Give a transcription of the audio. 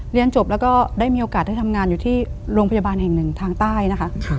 เรียนจบแล้วก็ได้มีโอกาสได้ทำงานอยู่ที่โรงพยาบาลแห่งหนึ่งทางใต้นะคะ